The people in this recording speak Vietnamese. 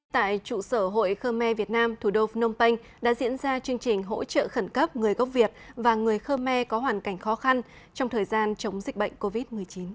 tại trụ sở hội khơ me việt nam thủ đô phnom penh đã diễn ra chương trình hỗ trợ khẩn cấp người gốc việt và người khơ me có hoàn cảnh khó khăn trong thời gian chống dịch bệnh covid một mươi chín